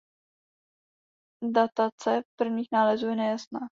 Datace prvních nálezů je nejasná.